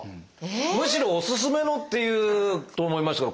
むしろ「おすすめの」って言うと思いましたけど。